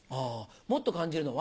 もっと感じるのは？